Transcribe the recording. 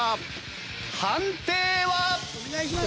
判定は？